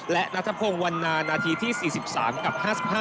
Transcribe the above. และนัทพงศ์วันนานาทีที่๔๓กับ๕๕